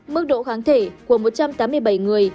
mức độ kháng thể của một trăm tám mươi bảy người